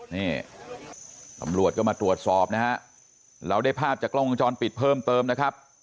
นี่ตำรวจก็มาตรวจสอบนะฮะเราได้ภาพจากกล้องวงจรปิดเพิ่มเติมนะครับ